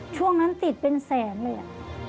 ช่วงนั้นติดเป็นแสนเลยอะ